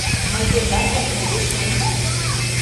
Мый тендан дене кугешнем.